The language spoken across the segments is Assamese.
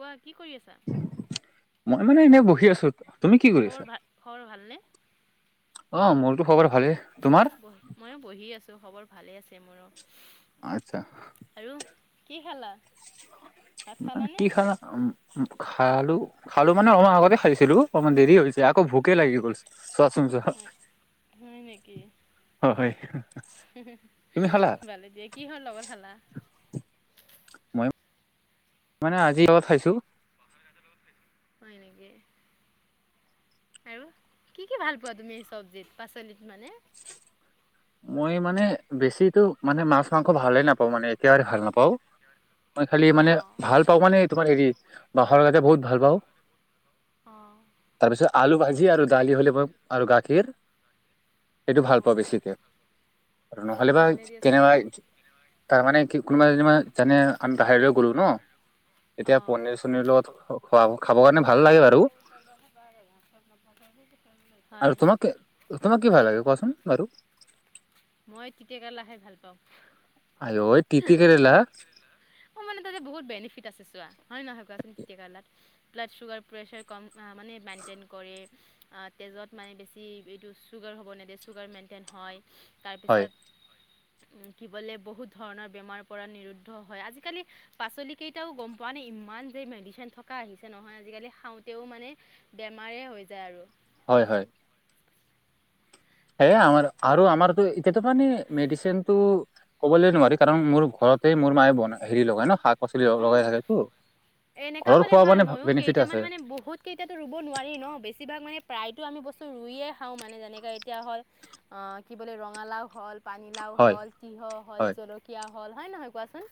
কোৱা কি কৰি আছা? মই মানে এনেই বহি আছো তুমি কি কৰি খবৰ আছা ভাল খবৰ ভালনে? অ মোৰতো খবৰ ভালেই। তোমাৰ? ময়ো বহি আছো খবৰ ভালে আছে মোৰো। আচ্ছা, আৰু কি খালা ভাত খালানে? কি খানা, উম। খালো, খালো মানে অলমান আগতে খাইছিলো। অকমান দেৰি হৈ হৈছে আকৌ ভোকে লাগি গল। ছোৱা চোন ছোৱা। হয় হয় নেকি? তুমি খালা? ভালে দিয়ে কি হল লগত খালা? মই মানে আজি লগত খাইছো। হয় এনেকে আৰু কি কি ভাল পোৱা তুমি চব্জিত পাচলিত মানে? মই মানে বেছিটো মানে মাছ মাংস ভালে নাপাওঁ মানে একেবাৰে ভাল নাপাওঁ। মই খালি মানে অঁ ভাল পাও তোমাৰ হেৰি বাঁহৰ গাজে বহুত ভাল পাওঁ। অঁ তাৰপিছত আলু ভাজি আৰু দালি হ'লে আৰু গাখীৰ সেইটো ভাল পোৱা অঁ বেছিকে আৰু নহ'লে বা ভালে দিয়াচোন কেনেবা তাৰ মানে কি কোনোবা যেন জানে আমি বাহিৰলৈ গ'লো ন, এতিয়া অঁ পনিৰ চনিৰ লগত খোৱা খাবৰ কাৰণে। ভাল লাগে বাৰু [unintelligible] আৰু তোমাক তোমাক কি ভাল লাগে কোৱাচোন বাৰু? মই তিতাকেৰেলা খাই ভাল পাওঁ। আই ঐ টিতি কেৰেলা। অ মানে তাতে বহুত বেনিফিট আছে চোৱা হয়, নহয় কোৱাচোন তিতি কেৰেলা ত ব্লড চুগাৰ প্ৰেছাৰ কম মানে মেইনটেইন কৰে তেজত মানে বেছি এইটো চুগাৰ হ'ব নিদিয়ে। চুগাৰ মেইনটেইন হয়। হয় তাৰপিছত কি বোলে বহুত ধৰণৰ বেমাৰ পৰা নিৰুদ্ধ হয়। আজিকালি পাচলি কেইটাও গম পোৱা নে ইমান। ইমান যে মেডিচিন থকা আহিছে নহয় আজিকালি খাওঁতেও মানে বেমাৰে হৈ যায় আৰু। হয়, হয়। এ আমাৰ আৰু আমাৰতো এতিয়াতো মানে মেডিচিন টো ক'বলে নোৱাৰি। কাৰণ মোৰ ঘৰত ততেই মোৰ মায়ে বন হেৰি লগাই ন শাক-পাচলি অঁ লগাই থাকে তো। এনেকা হ'লে ভাল। ময়ো কেইটামান আছে মানে বহুত কেইটাতো ৰুব নোৱাৰি ন, বেছিভাগ মানে প্ৰায়তো আমি বস্তু ৰুইয়ে খাওঁ মানে যেনেকাে এতিয়া হ'ল অ, কি বোলে ৰঙালাও হ'ল। পানীলাও হয় হ'ল, তিয়ঁহ হ'ল, হয় জলকীয়া হ'ল হয় নহয় কোৱাচোন?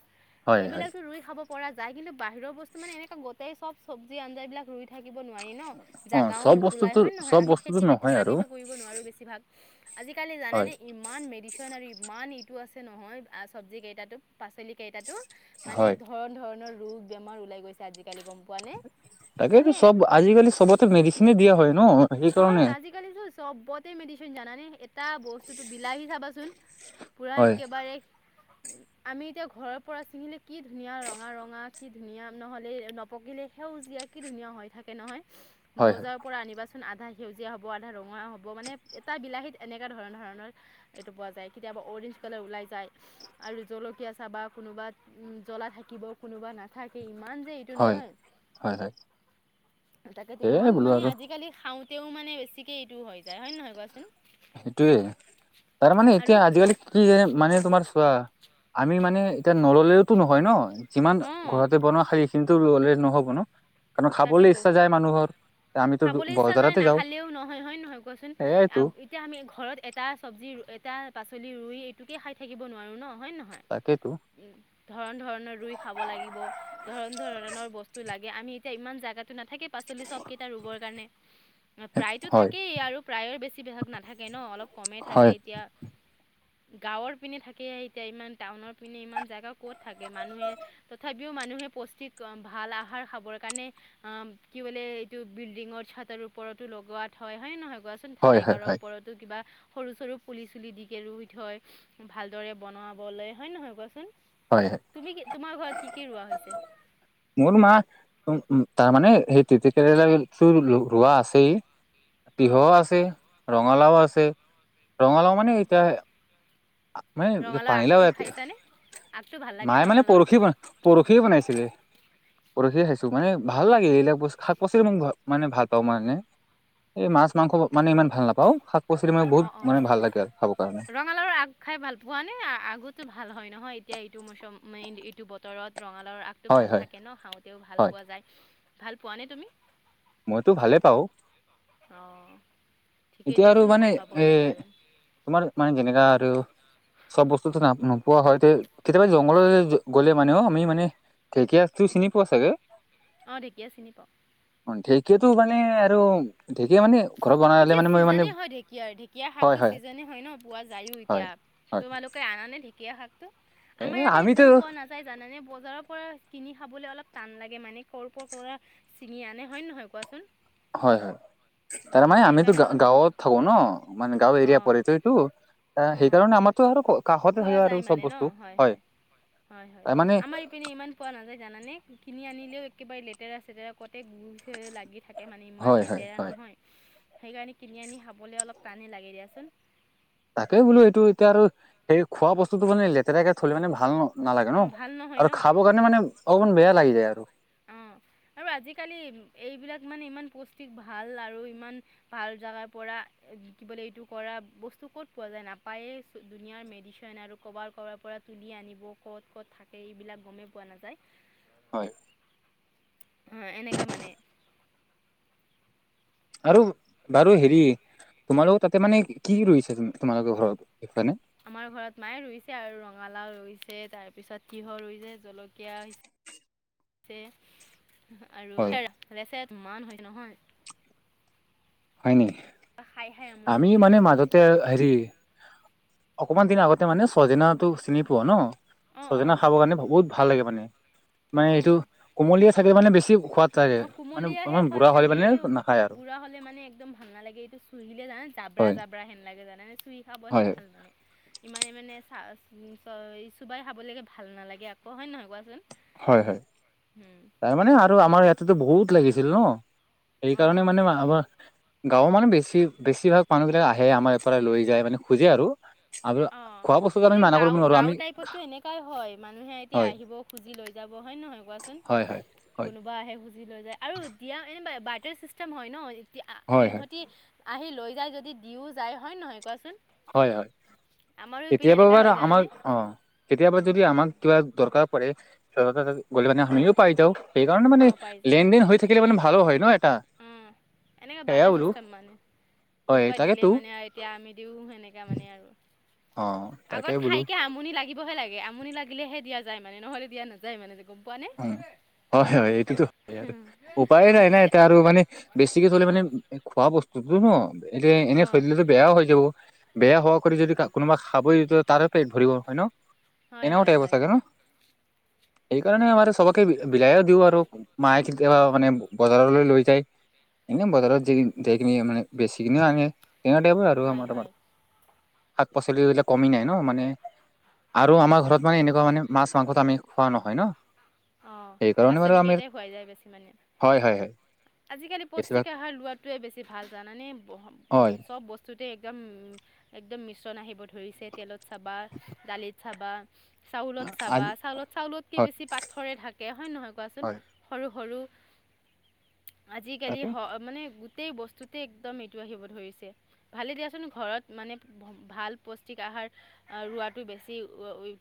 হয়, হয়। এইবিলাকতো ৰুই খাব পৰা যায়। কিন্তু বাহিৰৰ বস্তু মানে এনেকোৱা গোটেই চব্জি-আঞ্জ বিলাক ৰুই থাকি থাকিব নোৱাৰি ন, অ জাগাও চব নোকোলাই বস্তুতো হয় নে নহয়? চব আমি বস্তুতো নহয় আৰু খেতি-বাতিতো কৰিব নোৱাৰো বেছিভাগ। আজিকালি হয় জানোনে? ইমান মেডিচিন আৰু ইমান আছে নহয় আহ চব্জি কেইটাতো পাচলি কেইটা তো মানে হয় ধৰন-ধৰণৰ ৰোগ বেমাৰ ওলাই গৈছে আজিকালি গম পোৱা নে? তাকেইতো মানে চব আজিকালি চবতে মেডিচিনে দিয়া হয় ন হয়, সেইকাৰণে আজিকালি চবতে মেডিচিন ইনজেকচন জানানে এটা বস্তুতটো বিলাহী চাবাচোন পুৰা হয়, একেবাৰে আমি এতিয়া ঘৰৰ পৰা চিঙিলো কি ধুনীয়া ৰঙা ৰঙা কি ধুনীয়া নহ'লে নপকিলে সেউজীয়া কি ধুনীয়া হৈ থাকে নহয়। হয়, হয়, বজাৰৰ পৰা আনিবাচোন। আধা সেউজীয়া হ'ব, আধা ৰঙা হ'ব মানে এটা বিলাহীত এনেকুৱা ধৰণৰ ধৰণৰ এইটো পোৱা যায়। অৰেঞ্জ কালাৰ ওলাই যায়, আৰু জলকীয়া চাবা কোনোবা উম, জ্বলা থাকিব কোনোবা নাথাকে ইমান। যে এইটো হয়, হয়, হয়। তাকেইতো সেয়ে ইমান বোলো মানে আৰু আজিকালি খাওঁতেও মানে বেছিকে এইটো হৈ যায় হয় নে নহয় কোৱাচোন? সেইটোয়ে তাৰ মানে আৰু এতিয়া আজিকালি কি যে মানে তোমাৰ চোৱা আমি মানে এতিয়া নললেওতো নহয় ন যিমান অঁ ঘৰতে বনোৱা শাৰী কিন্তু ৰুলেই নহ'ব ন? কিন্তু খাবলৈ তাকেতো ইচ্ছা যায় মানুহৰ। আমিতো খাবলৈ ইচ্ছা যায় বজাৰতে যাওঁ নাখালেও নহয় হয়ে নহয় কোৱাচোন? সেয়াইতো এতিয়া আমি ঘৰত এটা চব্জি এটা পাচলি ৰুই এইটোকে খাই থাকিব নোৱাৰোঁ ন? হয় নহয়? তাকেইতো ধৰণ-ধৰণৰ ৰুই খাব লাগিব। ধৰণৰ বস্তু লাগে, আমি এতিয়া ইমান জাগাতো নাথাকে পাচলি চবকেইটা ৰুবৰ কাৰণে। প্ৰায়তো হয়, থাকেই, আৰু প্ৰায়ে বেছিভাগ নাথাকে ন অলপ কমেই থাকে হয়, এতিয়া। গাঁৱৰ পিনে থাকে এতিয়া ইমান টাউনৰ পিনে ইমান জেগা ক'ত থাকে? মানুহে তথাপিও ম মানুহে পুষ্টিক ভাল আহাৰ খাব কাৰণে আ কি বোলে এইটো বিল্ডিঙৰ চাতৰ ওপৰতো লগোৱাত হয় নে নহয়! কোৱাচোন হয়, হয়, ভালাইকাৰৰ হয়, ওপৰতো কিবা সৰু সৰু পুলি চুলি দিকে ৰুই থয় ভালদৰে বনাবলৈ হয় নহয় কোৱাচোন হয়, হয়, তুমি কি তোমাৰ ঘৰত কি কি ৰোৱা হৈছে মোৰ মা উম উম, তাৰমানে সেই তিতাকেৰেলা ৰোৱা আছেই। অঁ তিহও আছে, ৰঙালাও আছে। ৰঙালাও মানে অঁ এতিয়া ম ৰঙালাওৰ পানী লাউ আগটো খাইছানে আগটো ভাল লাগেনে মায়ে মানে ৰঙালাওৰ পৰখি, বন পৰখি বনাইছিলে। পৰহি খাইছো মানে ভাল লাগে এইবিলাক শাক পাচলি ম মানে ভাল পাওঁ মানে মই এনেই এই মাছ-মাংস মানে ইমান ভাল নাপাওঁ। শাক-পাচলি মানে বহুত অঁ অঁ মানে ভাল লাগে আৰু খাবৰ কাৰণে ৰঙালাওৰ আগ খাই ভাল পোৱা নাই আগতো ভাল হয় নহয়। এতিয়া এইটো মৌচম মানে এইটো বতৰত ৰঙালাউৰ আগটো হয় ভাল হয় থাকে ন খাওঁতেও ভাল হয় পোৱা যায়। ভাল পোৱা নে তুমি? মইতো ভালে পাওঁ। অ' ঠিকেই এতিয়া আৰু দিয়াচোন মানে ভাল পাবই এ লাগে আৰু। তোমাৰ মানে যেনেকা আৰু, চব বস্তুটো নপ পোৱা হয় কেতিয়াবা জংঘললৈ গ'লে মানেও, আমি মানে ঢেঁকীয়াটো চিনি পোৱা চাগে? অ ঢেকীয়া চিনি পাও ঢেঁকীয়াতো মানে আৰু ঢেঁকীয়া মানে ঘৰ বন এতিয়া ছিজনে হয় ঢেঁকীয়াৰ, ঢেঁকীয়াৰ শাকটো ছিজনে হয় ন! পোৱা যায়ো হয় এতিয়া। হয় তোমালোকে আনানে ঢেকীয়া শাক তো? এ আমাৰ ইয়াতে আমিতো একদম পোৱা নাযায় জানানে ব বজাৰৰ পৰা কিনি খাবলৈ অলপ টান লাগে মানে। ক'ৰ ক'ৰ পৰা ছিঙি আনে হয় নে নহয় কোৱাচোন? হয় হয়। তাৰ মানে আমিতো সেইকাৰণে গা অলপ গাঁৱত থাকো ন? মানে গাঁৱৰ এৰিয়াত অঁ পৰে যে এইটো আ অঁ। সেইকাৰণে আমাৰতো আৰু কাষতে পোৱা থাকে যায় আৰু মানে চব ন বস্তু, হয়। হয় হয়। তাৰ মানে আমাৰ ইপিনে ইমান পোৱা নাযায় জানানে? কিনি আনিলেও একেবাৰে লেতেৰা চেতেৰা কতে গু লাগি থাকে মানে হয় ইমান হয় লেতেৰা হয় নহয় সেইকাৰণে কিনি আনি খাবলৈ অলপ টানেই লাগে দিয়াচোন। তাকেই বোলো এইটো এতিয়া আৰু সেই খোৱা বস্তুটো মানে লেতেৰাকে থ'লে মানে ভাল নহয় নালাগে ন? অঁ ভাল নহয় আৰু ন খাব কাৰণে মানে অকমান বেয়া লাগি যায় আৰু। অ আৰু আজিকালি এইবিলাক মানে ইমান পুষ্টিক ভাল আৰু ইমান ভাল জাগাৰ পৰা কি বোলে এইটো কৰা বস্তু ক'ত পোৱা যায় নাপায়েই ধুনীয়াৰ মেডিচিন আৰু ক'ৰবাৰ ক'বাৰ পৰা তুলি আনিব ক'ত ক'ত থাকে এইবিলাক গমেই পোৱা নাযায়। হয়। অ এনেকা মানে আৰু, বাৰু হেৰি। তোমালোকৰ তাতে মানে কি ৰুইছে তোমালোকৰ ঘৰত সেইফালে? আমাৰ ঘৰত মায়ে ৰুইছে আৰু ৰঙালাও ৰুইছে, তাৰপিছত তিঁয়হ ৰুইছে জলকীয়া। আৰু হয় লেচেৰা মান নহয় হয় নি? খাই খাই আমনি আমি লাগি মানে গৈছে হয় মাজতে হেৰি অকমান দিন আগতে মানে চজিনাটো চিনি পোৱা ন? অঁ অঁ ছজিনা খাব কাৰণে বহুত ভাল লাগে মানে। মানে অঁ এইটো অঁ কোমলীয়া চাগে মানে বেছি সোৱাদ থাকে, অঁ মানে কুমলীয়াহে অকমান সোৱাদ বুঢ়া হ'লে থাকে মানে এইটো নাখায় আৰু। বুঢ়া মানে একদম ভাল নালাগে, এইটো চুহিলে জানে জাবৰা হয়। জাবৰা সেন লাগে জানেনে! চুই খাবহে হয় ভাল মানে ইমানে মানে চা চ চুবাই খাবলৈকে ভাল নালাগে আকৌ হয় নহয় কোৱাচোন। হয় হয় তাৰ মানে আৰু আমাৰ ইয়াতেতো বহুত লাগিছিল ন। অঁ সেইকাৰণে অঁ মানে আমাৰ। গাঁৱৰ মানুহ বেছি বেছিভাগ মানুহবিলাক আহে আমাৰ পৰা লৈ যায় মানে খোজে আৰু। আৰু খোৱা ব এ গাঁও গাঁওৰ টাইপতটো এনেকোৱাই হয় মানুহে এতিয়া হয় আহিব খুজি লৈ যাব হয় নহয় কোৱাচোন। হয় হয় হয়। কোনোবা আহে খুজি লৈ যায় আৰু দিয়া এনো বাৰটৰ চিষ্টেম হয় ন এতিয়া হয় হয়। ইহঁতি আহি লৈ যদি দিও যায় হয় নহয় কোৱাচোন। হয় হয় আমাৰো ইপিনে কেতিয়াবা এনেকা বাৰ হৈ আমাক জানানে? অ কেতিয়াবা যদি আমাক কিবা দৰকাৰ পৰে গ'লে মানে আমিও পাই যাওঁ। সেইকাৰণে মান অ', পাইছা লেনদেন হৈ থাকিলে মানে ভাল হয় ন এটা। অ', এনেকা সেয়া বাজাৰ বোলো চিষ্টেম মানে হয় কোনোবাই দিলে তাকেতো মানে এতিয়া আমি দিও সেনেক মানে অ', তাকে আগত বোলো খাইকে আমনি লাগিবহে লাগে। আমনি লাগিলেহে দিয়া যায় মানে নহলে দিয়া নাযায় মানে যে গম পোৱা নে। উম, হয় হয় এইটোতো হয় আৰু উপায়ে নাই অ', নাই যেতিয়া এতিয়া আৰু মানে বেছিকে থলে মানে খোৱা বস্তুটো। অ এতিয়া এনেই অ', থৈ দিলেতো বেয়াও হৈ যাব। বেয়া হোৱা কৰি যদি কোনোবা খাবই তাৰে পেট ভৰিব হয় ন। হয় এনেকুৱা টাইপৰ হয়। চাগে ন? সেইকাৰণে আমাৰ চবকে বিলায়ও দিওঁ আৰু মায়ে কেতিয়াবা মানে বজাৰলৈ লৈ যায়। এ বজাৰত যাই কিনি মানে বেছিকিনি আনে। হেই টাইপ আৰু হয় আমাৰ ত হয়। শাক পাচলি বিলাক কমি নাই ন মানে আৰু অঁ আমাৰ ঘৰত মানে এনেকুৱা মানে মাছ মাংসটো আমি খোৱা নহয় ন। অঁ সেইকাৰণে বাৰু আমাৰ পাচলিকেইটাই খোৱাই যায় বেছি মানে। হয় হয়। আজিকালি বেছিভাগ পুষ্টিক আহাৰ লোৱাটোৱে বেছি ভাল জানানে হয় চব বস্তু। তে একদম একদম মিশ্ৰণ আহিব ধৰিছে তেলত চাবা দালিত চাবা। চাউলত আজি চাবা চাউলত চাউলতকে হয় বেছি পাথৰে থাকে হয় নহয় কোৱাচোন হয় সৰু সৰু আজিকালি তাকে হ মানে। গোটেই বস্তুতে একদম ইটো আহিব ধৰিছে ভালে দিয়াচোন ঘৰত মানে ভাল পুষ্টিক আহ ৰোৱাটো বেছি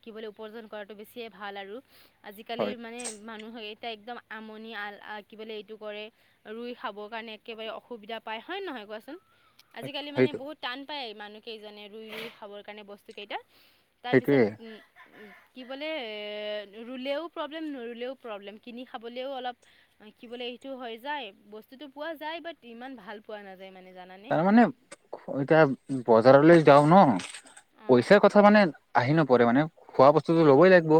কি উপাৰ্জন কৰাটো বেছিয়ে ভাল আৰু। আজিকালিৰ হয় মানে মানুহে এতিয়া একদম আমনি আ কি বলে এইটো। কৰে ৰুই খাবৰ কাৰণে একেবাৰে অসুবিধা পায় হয় নহয় কোৱাচোন। তাক- আজিকালি মানে সেইটো বহুত টান পায় মানুহ কেইজনে ৰুই ৰুই খাবৰ কাৰণে বস্তু কেইটা। তাৰপিছত সেইটোৱে উম। কি বোলে ৰুলেও প্ৰব্লেম নৰুলেও প্ৰব্লেম কিনি খাবলৈও অলপ দেখিবলৈ এইটো হয় যায় বস্তুতটো পোৱা যায় বাট ইমান ভাল পোৱা নাযায়। মানে জানানে তাৰ মানে এতিয়া বজাৰলৈ যাও ন অঁ পইচাৰ কথা মানে আহি নপৰে মানে খোৱা বস্তুটো ল'বই লাগিব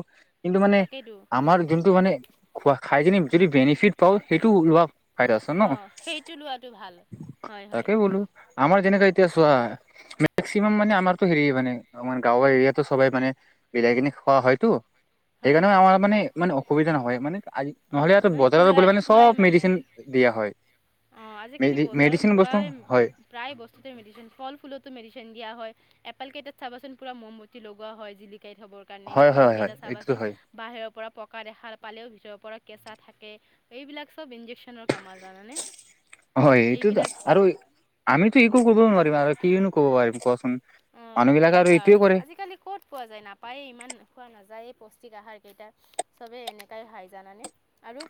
কিন্তু মানে তাকেইতো আমাৰ যোনটো মানে খোৱা খাই য যদি বেনিফিট পাওঁ সেইটো ওলোৱা ফাইদা আছে ন। অঁ সেইটো লোৱাটো ভাল হয় হয় তাকেই বোলো আমাৰ যেনেকেএতিয়া চোৱা। মেক্সিমাম মানে আমাৰতো হেৰি মানে আমাৰ গাঁৱৰ এৰিয়াতো ছবেই মানে মিলাই কিনে খোৱা হয়টো। হয় সেইকাৰণেও হয় আমাৰ মানে মানে অসুবিধা নহয় মানে। আজি অঁ নহলে মানে বজাৰত কুলাই গ'লে মানে কুলাই চব মানে মেডিচিন দিয়া হয়। অ আজিকালি মেডি বজাৰত মেডিচিন পোৱা। বস্তু হয় প্ৰায় বস্তুতে মেডিচিন ফল ফুলতো মেডিচিন দিয়া হয়। এপাল কেইটাত চাবচোন পুৰা মমবাতি লগোৱা হয় জিলিক শাই থবৰ কাৰণে হয় কল হয় হয় কেইটা এইটোতো চাবাচোন হয় বাহিৰৰ পৰা পকা দেখা পালেও ভিতৰৰ পৰা কেঁচা থাকে এইবিলাক চব ইঞ্জেকশ্যনৰ কাম জানানে। হয় এইটোতো এইবিলাক আৰু আমিতো একো কৰিবও নোৱাৰিম আৰু কিনো কব পাৰিম কোৱাচোন। অ মানুহ বিলাকে সেনেকা এইটোয়ে আৰু কৰে আজিকালি ক'ত পোৱা যায় নাপায় ইমান খোৱা নাযায়। পৌষ্টিক আহাৰ কেইটা চবে এনেকাই খাই জানানে আৰু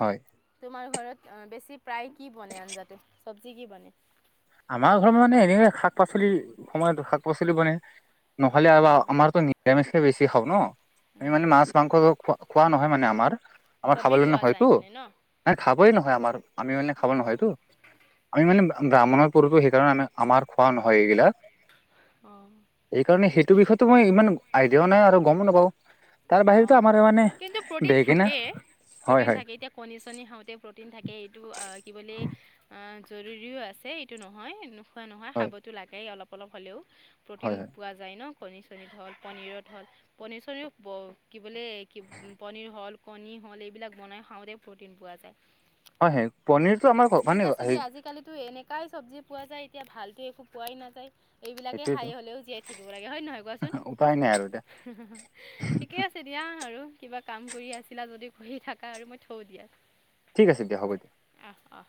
হয় তোমাৰ ঘৰত বেছি প্ৰায় কি বনে আঞ্জাতে চব্জি কি বনে আমাৰ ঘৰত মানে এনে শাক পাচলি সময়তো শাক পাচলি বনে নহ'লে আ অঁ আমাৰতো নিৰামিষকে বেছি খাওঁ ন আমি মানে মাছ কমেই মাংস খোৱা খোৱা নহয় মানে আমাৰ আমাৰ খাবলৈ খোৱা যায় নহয়তো মানে ন খাবই নহয় আমাৰ আমি মানে খাব অঁ নহয়টো আমি মানে ব্ৰাহ্মণৰ সেইকাৰণে আমি আমাৰ খোৱা নহয় এইগিলাক অঁ সেইকাৰণে সেইটো বিষয়ে মই ইমান আইডিয়াও নাই আৰু গমো নাপাওঁ তাৰ বাহিৰেতো অঁ আমাৰ মানে কিন্তু প্ৰ'টিন বেগেনা থাকে হয় প্ৰটিন হয় থাকে এতিয়া কণী চনি খাওঁতে প্ৰটিন থাকে এইটো কি বুলি জৰুৰীও আছে এইটো নহয় নোখোৱা নহয় হয় খাবতো লাগেই অলপ অলপ হ'লেও প্ৰটিন হয় হয় পোৱা যায় ন কণী চনী হল পনীৰত হল পনীৰ চনীৰ কি বোলে পনীৰ হল কণী হল এইবিলাক বনাই খাওঁতে প্ৰটিন পোৱা যায় হয় হয় পনীৰটো আমাৰ ঘ- মানে ঠিক আছে হে দিয়া আজিকালিতো এনেকাই চব্জি পোৱা যায় এতিয়া ভালতো একো পোৱাই নাযায় এইবিলাকে সেইটোৱেতো খাই হলেও জীয়াই থাকিব লাগে হয় নে নহয় কোৱাচোন উপায় নাই আৰু এতিয়া ঠিকে আছে দিয়া আৰু কিবা কাম কৰি আছিলা যদি কৰি থাকা আৰু মই থও দিয়া ঠিক আছে দিয়া হ'ব দিয়া অহ অহ